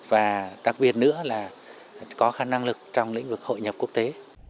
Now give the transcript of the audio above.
và đặc biệt nữa là có khả năng lực trong lĩnh vực hội nhập quốc tế